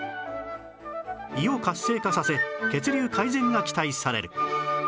胃を活性化させ血流改善が期待される